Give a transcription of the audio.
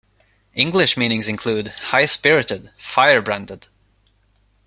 English meanings include: high-spirited, firebranded.